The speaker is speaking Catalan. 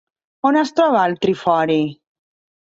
On es troba el trifori?